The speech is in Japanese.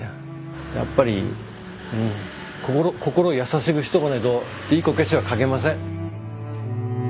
やっぱり心優しくしとかないといいこけしは描けません。